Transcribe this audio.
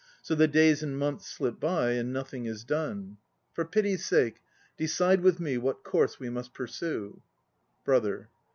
So the days and months slip by and nothing is done. For pity's sake, decide with me what course we must pursue. BROTHER.